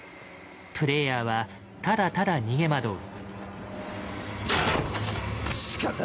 プレイヤーはただただ逃げ惑う。